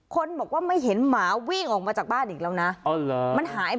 คนบอกว่าไม่เห็นหมาวิ่งออกมาจากบ้านอีกแล้วนะ